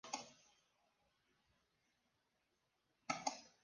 Folleto informativo del "Salto de Miranda".